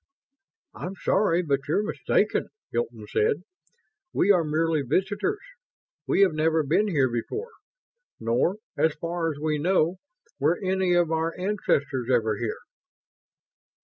"I'm sorry, but you're mistaken," Hilton said. "We are merely visitors. We have never been here before; nor, as far as we know, were any of our ancestors ever here."